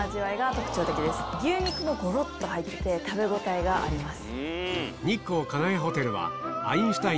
ゴロっと入ってて食べ応えがあります。